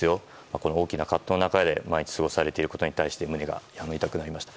この大きな葛藤の中で毎日過ごしている方に胸が痛くなりました。